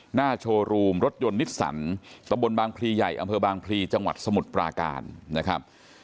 หน้าโชว์รูมรถยนต์นิสสันตะบนบางพลีใหญ่อำเภอบางพลีจังหวัดสมุทรปราการนะครับ